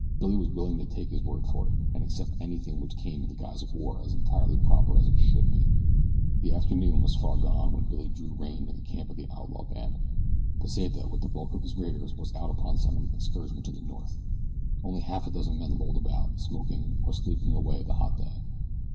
Billy was willing to take his word for it, and accept anything which came in the guise of war as entirely proper and as it should be. The afternoon was far gone when Billy drew rein in the camp of the outlaw band. Pesita with the bulk of his raiders was out upon some excursion to the north. Only half a dozen men lolled about, smoking or sleeping away the hot day.